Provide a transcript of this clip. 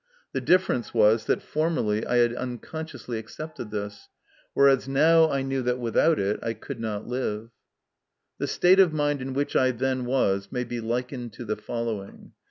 The difference was that formerly I had unconsciously accepted this, whereas now I knew that without it I could not live. The state of mind in which I then was may be likened to the following.